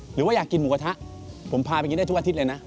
หรือว่าอยากกินหมูกระทะผมพาไปกินได้ทุกอาทิตย์เลยนะ